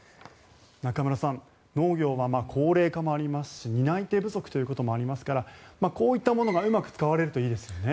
中室さん農業は高齢化もありますし担い手不足ということもありますからこういったものがうまく使われるといいですよね。